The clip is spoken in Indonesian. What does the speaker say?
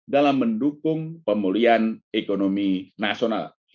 dalam mendukung pemulihan ekonomi nasional